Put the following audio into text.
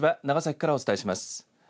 長崎からお伝えします。